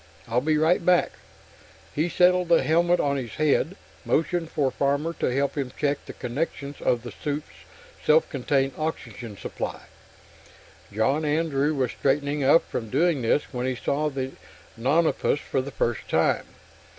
I'll be right back...." He settled the helmet on his head, motioned for Farmer to help him check the connections of the suit's self contained oxygen supply. John Andrew was straightening up from doing this when he saw the nonapus for the first time.